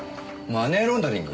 マネーロンダリング？